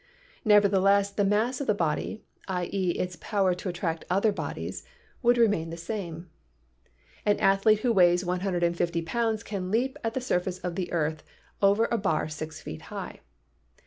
Nevertheless the mass of the body — i.e., its power to attract other bodies — would remain the same. An athlete who weighs 150 pounds can leap at the sur face of the earth over a bar six feet high.